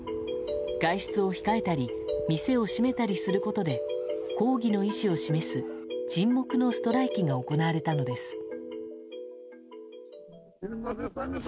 外出を控えたり店を閉めたりすることで抗議の意思を示す沈黙のストライキが行われたのです。